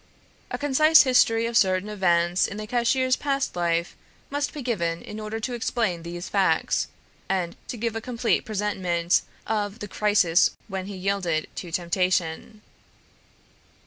A concise history of certain events in the cashier's past life must be given in order to explain these facts, and to give a complete presentment of the crisis when he yielded to temptation.